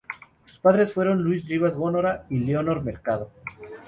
Sus padres fueron Luis Rivas Góngora y Leonor Mercado.